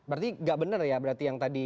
berarti nggak benar ya berarti yang tadi